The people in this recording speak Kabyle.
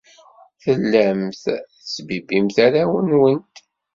Tellamt tettbibbimt arraw-nwent.